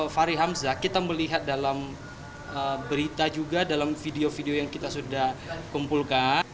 fahri hamzah kita melihat dalam berita juga dalam video video yang kita sudah kumpulkan